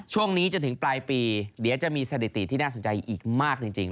ช่วงนี้จนถึงปลายปีเดี๋ยวจะมีสถิติที่น่าสนใจอีกมากจริง